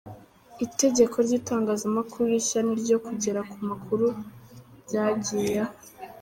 Itegeko ry’itangazamakuru rishya n’ iryo kugera ku makuru byagiyeho.